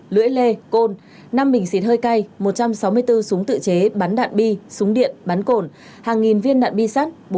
lưỡi lê côn năm bình xịt hơi cay một trăm sáu mươi bốn súng tự chế bắn đạn bi súng điện bắn cồn hàng nghìn viên đạn bi sắt